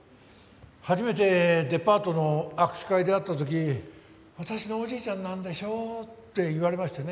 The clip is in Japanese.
初めてデパートの握手会で会った時「私のおじいちゃんなんでしょ？」って言われましてね。